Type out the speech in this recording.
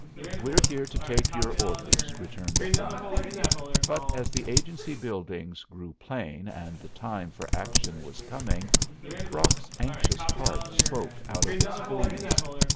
"We're here to take your orders," returned the foreman. But as the agency buildings grew plain and the time for action was coming, Brock's anxious heart spoke out of its fulness.